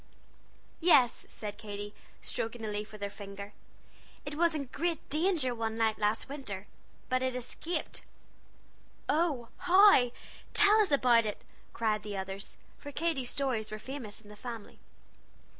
"Yes," said Katy, stroking a leaf with her finger, "it was in great danger one night last winter, but it escaped." "Oh, how? Tell us about it!" cried the others, for Katy's stories were famous in the family.